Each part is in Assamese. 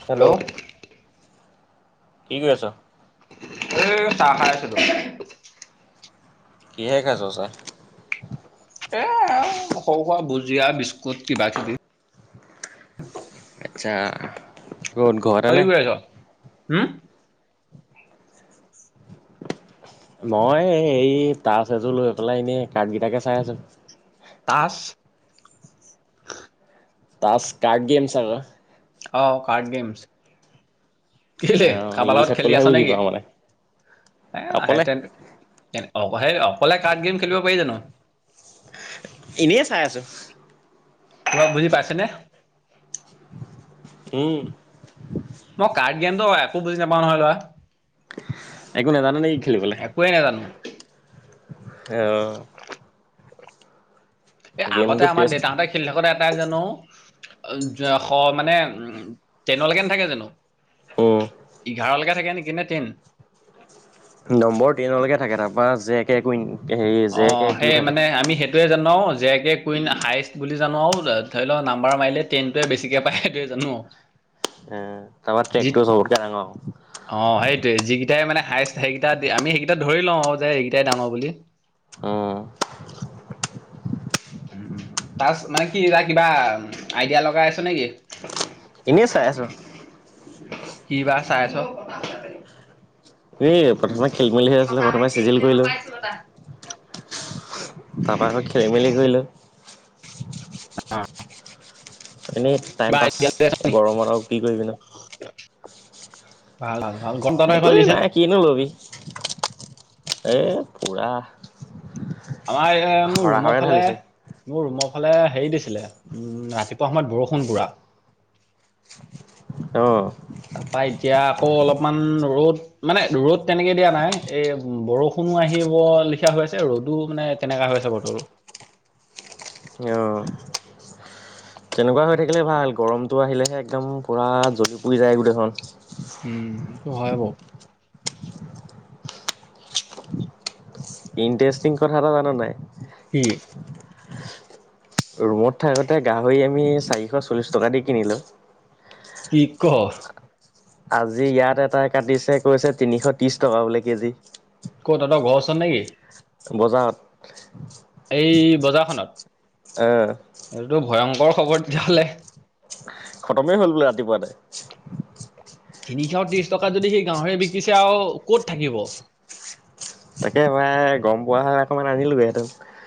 হেল্ল'। কি কৰি আছ? এই চাহ খাই আছিলোঁ। কিহে খাইছ' চাহ? এ আৰু সৰু সুৰা ভুজিয়া বিস্কুট কিবা কিবি। আচ্ছা। ক'ত ঘৰতে তই নে? কি কৰি আছ'? উম, মই এই হেৰি তাছ এযোৰ লৈ পেলাই এনেই কাৰ্ডগীটাকে চাই আছো। তাছ। তাছ কাৰ্ড গেমচ আকৌ। অহ, কাৰ্ড গেমছ। কেলে, কাৰোবাৰ লগত ইংলিছত খেলি ক'লেহে আছ বুজি নেকি? পাওঁ মানে। এ অকলে আইটাক। অ'সেই অকলে কাৰ্ড গেম খেলিব পাৰি জানো। এনেই চাই আছোঁ। অলপ বুজি পাইছনে? উম। মই কাৰ্ড গেমটো একো বুজি নাপাও নহয় ল'ৰা। একো নাজানা নে'কি খেলিবলে। একোৱেই নাজানো অহ। এ আগতে গেমটো আমাৰ টেষ্ট দেউতাহঁতে খেলি থাকোতে তাই জানো স মানে উম টেনলৈকে নাথাকে জানো? উম। এঘাৰলেকে থাকে নেকি নে টেন? নম্বৰ টেইনলৈকে থাকে, তাৰপৰা জে কে কুইন। হেৰি জে কে অ' কিউ সেই থাকে। মানে আমি সেইটোয়েই জানো। জে কে কুইন হায়ষ্ট বুলি জানো আৰু, ধৰি লওক নাম্বাৰ মাৰিলে টেনটোৱে বেছিকে পায় সেইটোয়েই জানো। উম, তাৰপৰা যি ট্ৰেকটো চবতকেই ডাঙৰ। অ', সেইটোৱেই, যিকেইটাই মানে হায়েষ্ট সেইকেইটা আমি সেইকেইটা ধৰি লওঁ যে এইকেইটাই দাঙৰ বুলি। অহ। উম, উম। তাছ মানে কি এ কিবা আইডিয়া লগাই আছে নেকি? এনেই চাই আছো কি বা চাই আছ এই প্ৰথমে খেলি মেলিহে কিবা আছিলে প্ৰথমে চিজিল আইডিয়া কৰিলো। লৈ আছ তাৰপা আকৌ খেলি মেলি কৰিলো। আহ এনেই টাইম পাছ গৰমত আৰু কি কৰিবি ন। ভাললা। একোৱে নাই কিনো লবি এ পুৰা। আমাৰ এ মোৰ হৰা ৰুমৰ হৰে ফালে ঢালিছে মোৰ ৰুমৰ ফালে হেৰি দিছিলে উম ৰাতিপুৱা সময়ত বৰষুণ পুৰা। অ' তাৰপা এতিয়া আকৌ অলপমান ৰ'দ মানে ৰ'দ তেনেকে দিয়া নাই এ বৰষুণ। আহিব লিখা হৈ আছে আৰু তো মানে তেনেকা হৈ আছে বতৰটো। আহ। তেনেকুৱা হৈ থাকিলে ভাল গৰমতটো আহিলেহে একদম পুৰা জ্বলি পুৰি যায় গোটেইখন। উম হয় বাওঁ। ইণ্টাৰেষ্টিং কথা এটা জান নাই। কি ৰুমত থাকোতে গাহৰি আমি চাৰিশ চল্লিশ টকা দি কিনিলো। কি কৰ। আজি ইয়াত এটা কাটিছে কৈছে তিনিশ ত্ৰিশ টকা বোলে কেজি। ক'ত তহঁতৰ ঘৰ ওচৰত নেকি? বজাৰত। এই বজাৰখনত আহ এইটো ভয়ংকৰ খবৰ তেতিয়াহ'লে। খতমেই হ'ল বোলে ৰাতিপুৱাতে। তিনিশ ত্ৰিশ টকাত যদি সেই গাহৰি বিকিছে আৰু ক'ত থাকিব। তাকে ভাই গম পোৱা হয় অকমান আনিলোহেঁতেন।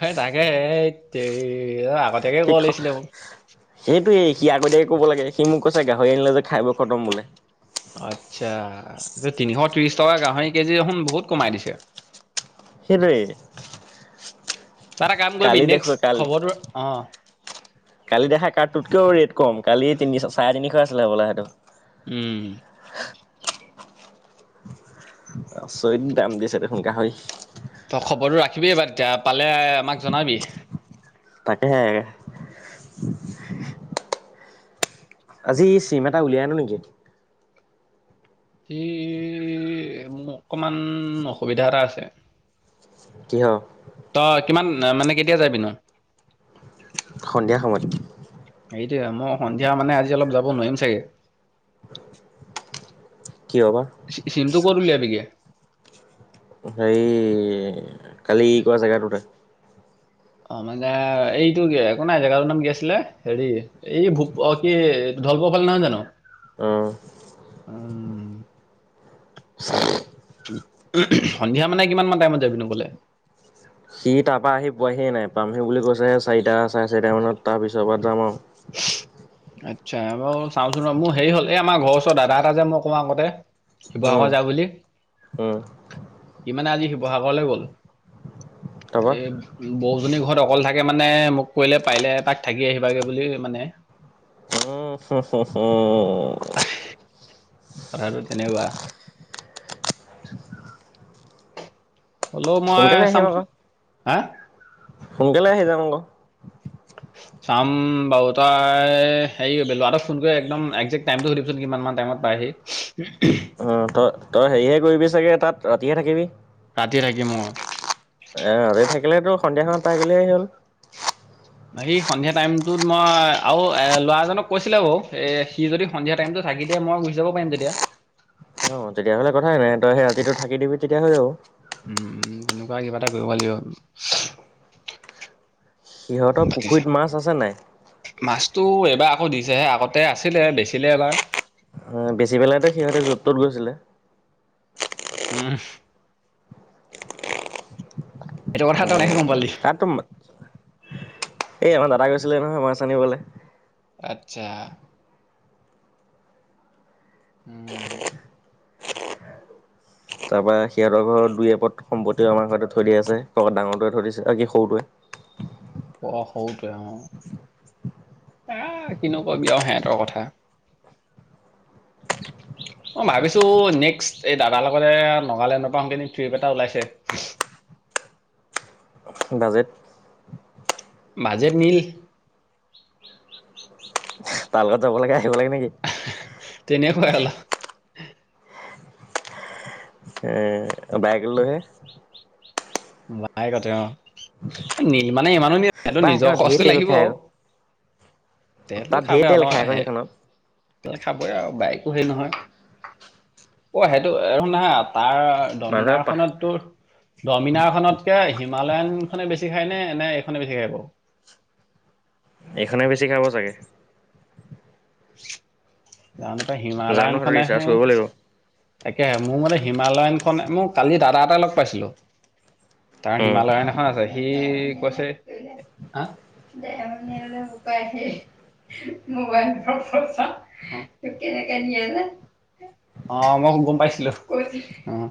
সেই তাকে এই আগতীয়াকে ক'ব শিক্ষক লাগিছিলে মোক। সেইটোই সি আগতিয়াকে ক'ব লাগে। সি মোক কৈছে গাহৰি আনিলে যে খাই বৈ খতম বোলে। আচ্ছা তিনিশ ত্ৰিশ টকা গাহৰি কেজি দেখোন বহুত কমাই দিছে। সেইটোৱে। তই এটা কাম কৰিবি কালি দেখো নেক্সট কালি খবৰটো অ'। কালি দেখা কাৰটোতকেও ৰেট কম কালি তিনিশ চাৰে তিনিশ আছিলে হবলৈ সেইটো [unintelligible] আচৰিত দাম দিছে দে দেখোন গাহৰি ত খবৰটো ৰাখিবি এইবাৰ তেতিয়া পালে আমাক জনাবি। তাকে হে [unintelligible] আজি চিম এটা উলিয়াই আনো নেকি? আজি অকণমান অকমান অসুবিধা এটা আছে। কিহ ত কিমান মানে কেতিয়া যাবি নো। সন্ধিয়া সময়ত। সেইটোয়ে মই সন্ধিয়া মানে আজি অলপ যাব নোৱাৰিম চাগে। কিয় বা? ক'ত চিমটো উলিয়াইবীগে। হেৰি কালি ই কোৱা জেগাতোতে। অ', মানে এইটো একো নাই জেগাটোৰ নাম কি আছিলে হেৰি এই ভূ অ, ' কি [unintelligible] নহয় জানো। উম। উম সন্ধিয়া মানে কিমান মান টাইমত যাবি নো গ'লে। সি তাৰপৰা আহি পোৱাহিয়ে নাই পামহি বুলি কৈছে চাৰিটা চাৰে চাৰিটা মানত, তাৰ পিছৰ পৰা যাম আৰু। আচ্ছা বাৰু চাওঁচোন ৰ, মোৰ হেৰি হ'ল এই আমাৰ ঘৰওচৰ দাদা এটা যে, মই কও আগতে উম শিৱসাগৰ যায় বুলি, উম সি মানে আজি শিৱসাগৰলৈ গল। [inaudible] এই বৌ জনী ঘৰত অকলে থাকে মানে, মোক কলে পাৰিলে এপাক থাকি আহিবাগে বুলি। মানে হহ- হহ- হ কথাটো তেনেকুৱা। হ'লেও মই সোনকালে আহিম চাম, আকৌ হা সোনকালে আহি যাম আকৌ। চাম বাৰু। হেৰি কৰিবা, ল'ৰাটোক ফোন কৰি একদম এক্জেক্ট টাইমটো সুধিবচোন কিমান মান টাইমত পায়হি। উ [unintelligible] অ', তই, তই হেৰিহে কৰিবি চাগৈ তাত ৰাতিহে থাকিবি। ৰাতি থাকিম অ'। একেলগেটো সন্ধিয়া সময়ত পাই গ'লেই হ'ল। সি সন্ধিয়া টাইমতটোত মই আৰু ল'ৰাজনক কৈছিলে বাৰু, এহ সি যদি সন্ধিয়া টাইমতোট থাকি দিয়ে মই গুচি যাব পাৰিম তেতিয়া। অ' তেতিয়াহলে কথাই নাই তই সেই ৰাতিটো থাকি দিবি তেতিয়া হৈ যাব। উম তেনেকুৱা কিবা এটা কৰিব লাগিব। সিহঁতৰ পাতিছে পুখুৰীত মাছ আছে নাই? মাছটো এইবাৰ আকৌ দিছেহে, আগতে আছিলে বেচিলে এবাৰ। বেচি পেলাইটো সিহঁতে য'ত-ত'ত গৈছিলে। উম, এইটো কথা তই কেনেকৈ গম পালি তাততো, এই আমাৰ দাদা গৈছিলে নহয় মাছ আনিবলৈ। আচ্ছা। উম। তাৰ পৰ সিহঁতৰ ঘৰৰ দুই এপদ সম্পত্তিও আমাৰ ঘৰতে থৈ দি আছে, ডাঙৰটোৱে থৈ দিছে অ' কি সৰুটোৱে। [inaudible] অ' সৰুতোৱে অ'। এই, কিনো কবি আৰু সিহঁতৰ কথা। [inaudible] মই ভাবিছো নেক্সট এই দাদাৰ লগতে নগালেণ্ডৰ পৰা আহোগৈ নেকি, ট্ৰিপ এটা ওলাইছে। বাজেট? Budget nil. তাৰ লগত যাব লাগে আহিব লাগে নেকি? তেনেকুৱাই অলপ। এই, বাইক লইহে? বাইকেৰে অ' নীল মানে ইমানো নীল সেইটো তাই নিজৰ সেইখনত ধেৰ খৰচটো তেল লাগিব খাই আৰু। আক তেলটো তাত খাব ঢেৰ অ' তেল ন' খাই আকৌ সেই সেইখনত খাবই আৰু বাইকো হেৰি নহয়। অ' সেইটো নহয় তাৰ মানুহে ডমিনাৰ পা খনত তোৰ ডমিনাৰ তকে হিমালয়ন খনে বেছি খাই নে, নে এইখনে বেছি খাই বাৰু? এইখনেই বেছি খাব চাগে। জানো পাই জানো হিমালয়ন সেইটো ৰিচাৰ্জ খনেহে কৰিব লাগিব তাকে মোৰ মানে হিমালয়ান, মই কালি দাদা এটা লগ পাইছিলো তাৰ উম হিমালয়ান এখন আছে সি কৈছে দে মন হলে উপাই আহি মোবাইলৰ ওৰত চা তোক কেনেকে নিয়ে যে অ', মই গম পাইছিলো কৈ অ'।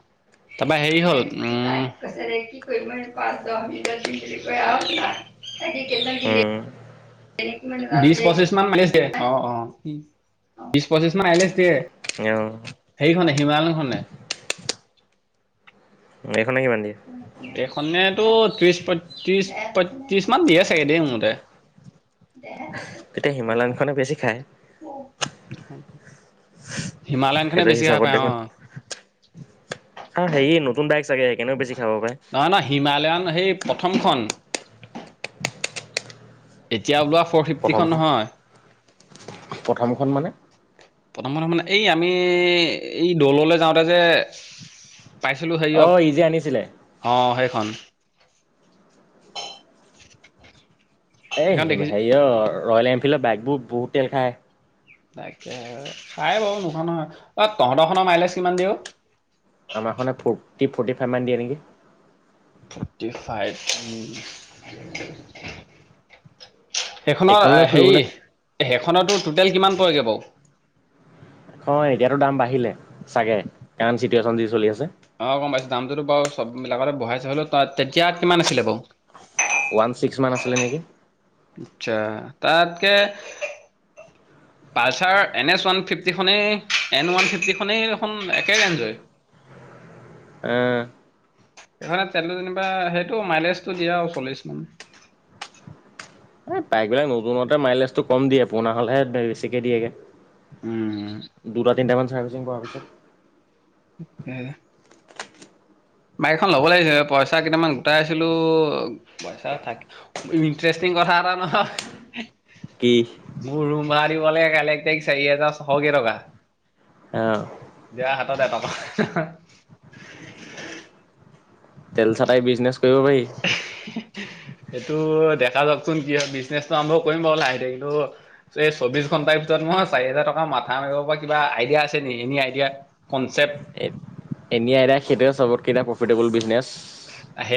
তাৰপা হেৰি হল উ কিই পাঁচ দহ দ দিন বুলি কৈ না টাকে কেদিনমান দিলে উম বিশ পঁচিশ মান মানি অ', অ'। বিশ পঁচিশ মান আইলেষ্ট দিয়ে, অ হেখনে হিমালয়খনে। [inaudible] [unintelligible] এইখনেতো ত্ৰিশ পয়ত্ৰিশ পয়ত্ৰিশ মান দিয়ে চাগে দেই মতে। দেহ ত তেতিয়া হিমালয়নখনে বেছি খায়। হয়। হিমালয়ন খনে সেইটো বেছি খাহ পায় অহ। আহ হেই নতুন বাইক চাগে সেইকাৰনেও বেছি খাব পাৰে নহয় নহয় হিমালয়ান সেই প্ৰথমখন। এতিয়া বওলোৱা ফৰ ফিফটিখন প্ৰথমখন নহয়। প্ৰথমখন মানে প্ৰথম মানে এই আমি এই দৌললে যাওঁতে যে পাইছিলো অ ই যে আনিছিলে হেৰিয়ক অ' সেইখন এ, সেইখন দেখিছোঁ। হেৰি অ' ৰয়েল এনফিল্ডৰ বাইগবোৰ বহুত তেল খায়। তাকে খাই বাৰু নোহোৱা নহয় অ তহঁতৰ খনৰ মাইলেজ কিমান দিওঁ আমাৰখনে ফৰ্টি ফৰ্টি ফাইভ মান দিয়ে নেকি। ফৰ্তি ফাইভ উম। সেইখনৰ এইখনলৈ হেৰি ফুৰিবলৈ সেইখনতো টুটেল কিমান পৰেগৈ বাও? হয়, এতিয়াতো দাম বাঢ়িলে চাগে কাৰাৰেণ্ট চিটুৱেশ্যন যি চলি আছে। অ', গম পাইছো দামটোতো বাৰু চববিলাকতে বহাইছে হলেও তাত তেতিয়া কিমান আছিলে বাৰু? ওৱান ছিক্স মান আছিলে নেকি আচছা তাতকে উ, পালচাৰ এন এছ ওৱান ফিফটিখনেই এন ওৱান ফিফটিখনেই এখন একে ৰেঞ্জই। উম সেই খনে তেলটো যেনিবা সেইটো মাইলেজটো দিয়া চল্লিশ মান। এই বাইক বিলাক নতুনতে মাইলেজটো কম দিয়ে। পুৰণা হ'লেহে বেছিকে দিয়েগে উম দুটা তিনটামান চাৰ্ভিচিং পাৰ পিছত স বাইক এখন ল'ব লাগিছিল পইচা কেইটামান গোটাই আছিলো পইচা থ ইটষ্টিং কথা এটা নহ কি মোৰ ৰুম ভাড়া দিব লাগে কাইলে এক তাৰিখ চাৰি হাজাৰ ছশ কে টকা আহ, [unintelligible] তেল চাতাই বিজনেছ কৰিব পাৰি। [inaudible] সেইটো দেখা যাওঁকচোন কি হয় বিজনেচটো আৰম্ভ কৰিম বাৰ লাহে লাহে দে চৌবিশ ঘণ্টাৰ ভিতৰত মই চাৰি হাজাৰ টকা মথা মাৰিব পৰা কিবা আইদিয়া আছে নে এনি আইডিয়া এই বিজনেছ। আহ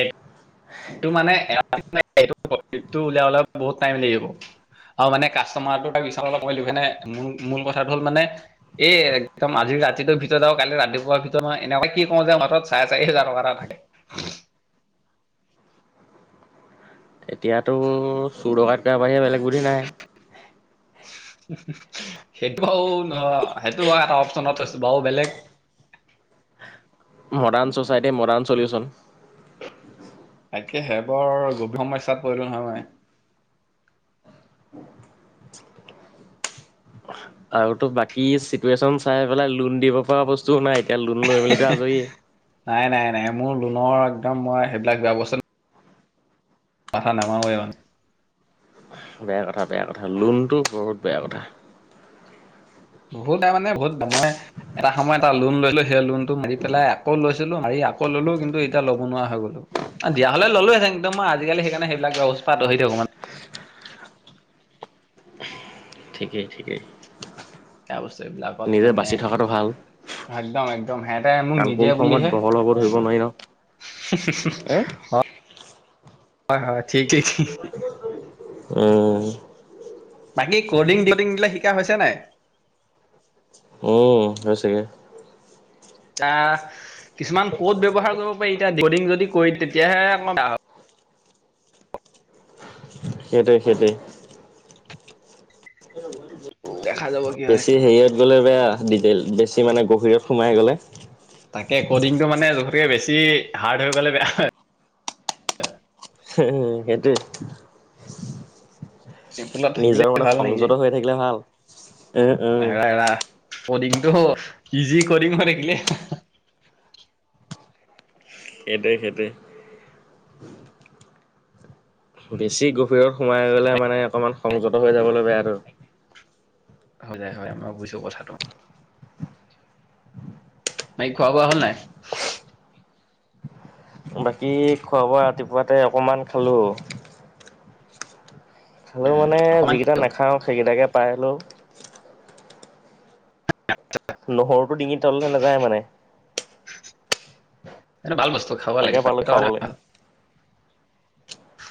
এইটো মানেটো লাই ওলাব বহুত টাইম লাগিব। আৰু মানে কাষ্টমাৰটো বিশচ অলপ কলো সে ম মূল কথাটো হ'ল মানে এই একদম আজি ৰাতিটোৰ ভিতৰত কালি ৰাতিপুৱাৰ ভিতৰত ম এনেকুৱা কি কওঁ যে হঠাৎ চাৰে চাৰি হোজাৰ টকা এটা থাকে এতিয়াতো চোৰ দকাইট কৰা বাঢ়িয়েই বেলেগ বুদ্ধি নাই সেইটো বাৰু সেইটো ব এটা অপচনত আছো বাৰু বেলেগ মডাৰ্ণ চচাইটি মডাৰ্ণ চলিউচন তাকেহে বৰ গভীৰ সমস্যাত পৰিলো নহয় মই। আৰু বাকী চিটুৱেশচন চাই পেলাই লোন দিব পৰা বস্তুও নাই। লোন লৈ মেলি আজৰি। নাই নাই নাই মোৰ লোনৰ একদম মই সেইবিলাক বেয়া [unintelligible] মাথা নামাৰো এই মানে বেয়া কথা বেয়া কথা লোনটো বহুত বেয়া কথা। বহুত বেয়া মানে বহুত মই এটা সময় এটা লোন ললো সেই লোনতটো মাৰি পেলাই আকৌ লৈছে। -লো মাৰি আকৌ ললো কিন্তু এতিয়া ল'ব নোৱাৰা হৈ গলোঁ দিয়া হ'লে ললোহেতেন মই আজিকালি সেইকাৰণে এইবিলাক বেয়া বস্ত। চাওঁ অলপ আতহি দেচোন। [inaudible] ঠিকেই ঠিকেই ত বেয়া বস্তু এইবিলাকত নিজে মানে। বাচি থকাটো ভাল একদম একদম সিহঁতে মোক কাৰণ কোন নিদিয়ে সময়ত বুলিহে। বহল হ'ব ধৰিব নোৱাৰি ন। হয় হয় ঠিকেই। উম বাকী কডিং ডিকডিং বিলাক শিকা হৈছে নাই? উম হৈছেগে। এ কিছুমান ক'ড ব্যৱহাৰ কৰিব পাৰি এতিয়া কডিং যদি কৰি তেতিয়াহে অকণমান সেইটোৱে সেইটোৱে অ' বেছি হেৰিয়াত গ'লে বেয়া বেছি মানে গভীৰত সোমাই গ'লে। তাকে ক'ডিংটো মানে জোখতকে বেছি হাৰ্ড হৈ গ'লে বেয়া হয়। হে সেইটোৱে। ত্ৰিপুলা থাকিলে নিজৰ মানে ভাল নেকি, সংযত হৈ থাকিলে ভাল উম উম এৰা এৰা কডিংটো ইজি কডিং হৈ থাকিলে সেইটোৱে সেইটোৱে বেছি গভীৰত সোমাই গ'লে মানে অকমান সংযত হৈ যাবলৈ বেয়াটো। হৈ যায় হয় মই বুজো কথাটো। বাকী খোৱা বোৱা হ'ল নাই? বাকী খোৱা বোৱা ৰাতিপুৱাতে অকণমান খালোঁ। খালেও উম মানে অকমান যিকেইটা কিয় নাখাওঁ সেইকেইটাকে পালোঁ। নহৰুটো ডিঙিৰ তললৈ নাযায় মানে এটো ভাল বস্তু খাব তাকে লাগে। পালোঁ খাবলৈ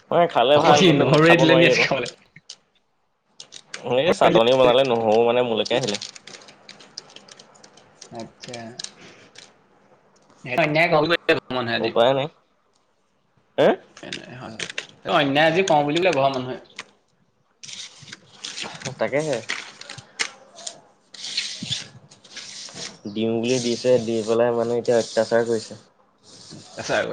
নহয় খালে অকল ভাল সি কিন্তু নহৰুৱে নাখাব দিলে নি নোৱাৰি আজি আক'। খাবলে এই চাটনি বনালে, নহৰু মানে মোলেকে আহিলে। আটছা [unintelligible] হয় উপায় নাই হে হয়। অন্যায় আজি কৰো বুলি কৰিলে, ঘৰৰ মানুহে। তাকেহে। দিওঁ বুলি দিছে, দি পেলাই মানে এতিয়া অত্যাচাৰ কৰিছে। অত্যাচাৰ কৰে।